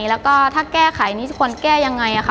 แล้วก็ถ้าแก้ไขนี้จะควรแก้ยังไงค่ะ